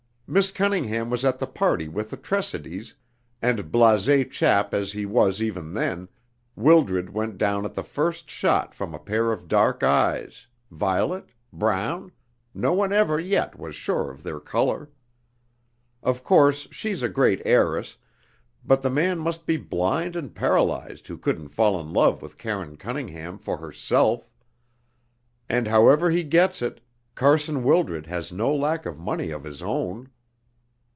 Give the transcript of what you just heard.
Miss Cunningham was at the party with the Tressidys, and blasé chap as he was even then, Wildred went down at the first shot from a pair of dark eyes violet? brown? no one ever yet was sure of their colour. Of course she's a great heiress, but the man must be blind and paralysed who couldn't fall in love with Karine Cunningham for herself; and however he gets it, Carson Wildred has no lack of money of his own."